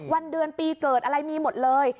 วันเดือนปีเกิดอะไรมีหมดเลย